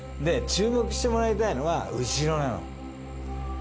注目してもらいたいのは後ろなの。